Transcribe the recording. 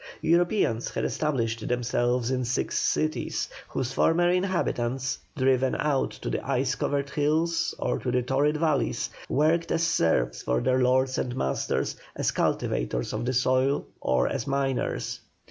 Europeans had established themselves in six cities, whose former inhabitants, driven out to the ice covered hills or to the torrid valleys, worked as serfs for their lords and masters as cultivators of the soil or as miners.